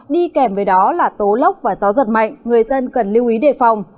đi kèm với đó là tố lốc và gió giật mạnh người dân cần lưu ý đề phòng